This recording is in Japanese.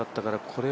これ。